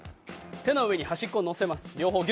手の上に端っこを乗せます。